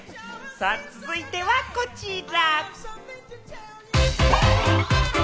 続いては、こちら。